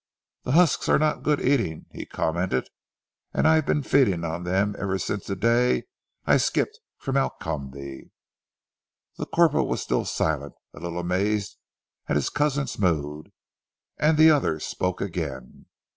"The husks are not good eating," he commented, "and I've been feeding on them ever since the day I skipped from Alcombe." The corporal was still silent, a little amazed at his cousin's mood, and the other spoke again.